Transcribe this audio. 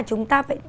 chúng ta phải